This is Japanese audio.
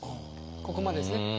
ここまでですね。